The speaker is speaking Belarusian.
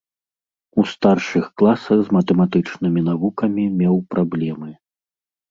У старшых класах з матэматычнымі навукамі меў праблемы.